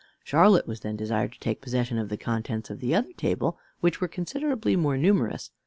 Charlotte was then desired to take possession of the contents of the other table, which were considerably more numerous.